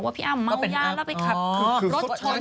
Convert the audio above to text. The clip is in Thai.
ว่าพี่อ้ำเมาญาติแล้วไปขับรถชนคนตาย